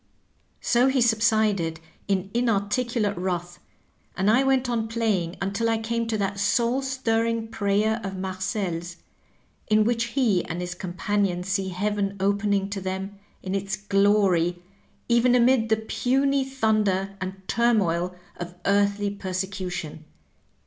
^^ So he subsided in inarticulate wrath, and I went on playing until I came to that soul stirring prayer of MarcePs in which he and his companion see heaven opening to them in its glory, even amid the puny thun der and turmoil of earthly persecution.